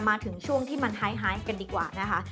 มาถึงช่วงที่มันไฮกันดีกว่านะคะ